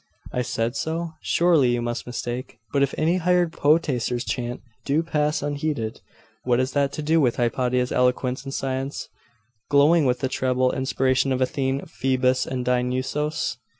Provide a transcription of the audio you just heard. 'I said so? Surely you must mistake. But if any hired poetaster's chant do pass unheeded, what has that to do with Hypatia's eloquence and science, glowing with the treble inspiration of Athene, Phoebus, and Dionusos?